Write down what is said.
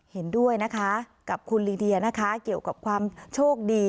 เห็นด้วยนะคะกับคุณลีเดียนะคะเกี่ยวกับความโชคดี